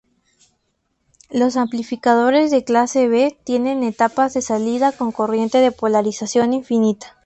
Los amplificadores de clase B tienen etapas de salida con corriente de polarización infinita.